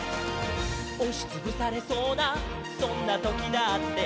「おしつぶされそうなそんなときだって」